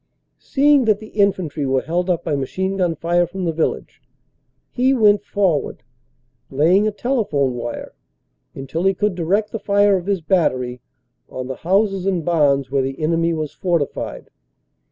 Seeing that the infantry were held up by machine gun fire from the village, he went forward, laying a telephone wire, until he could direct the fire of his battery on the houses and barns where the enemy was fortified.